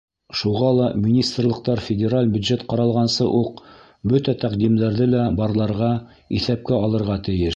Шуға ла министрлыҡтар федераль бюджет ҡаралғансы уҡ бөтә тәҡдимдәрҙе лә барларға, иҫәпкә алырға тейеш.